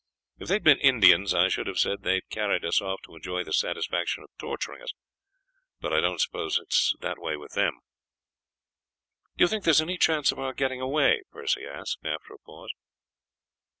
If they had been Indians I should have said they had carried us off to enjoy the satisfaction of torturing us, but I don't suppose it is that with them." "Do you think there is any chance of our getting away?" Percy asked, after a pause.